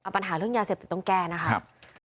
ปัญหาเรื่องยาเสพติดต้องแก้นะครับ